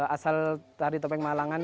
asal tari topeng malangan